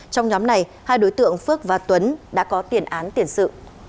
trong nhóm này hai đối tượng phước và tuấn đã có tiền án tiền sự